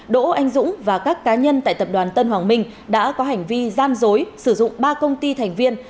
đỗ anh dũng và các cá nhân tại tập đoàn tân hoàng minh đã có hành vi gian dối sử dụng ba công ty thành viên